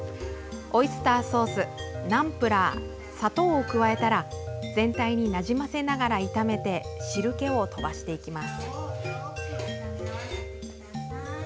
オイスターソース、ナンプラー砂糖を加えたら全体になじませながら炒めて汁けをとばしていきます。